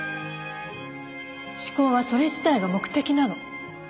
思考はそれ自体が目的なの。